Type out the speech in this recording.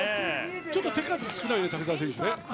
ちょっと手数少ないね瀧澤選手。